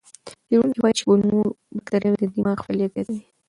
څېړونکي وایي چې کولمو بکتریاوې د دماغ فعالیت زیاتوي.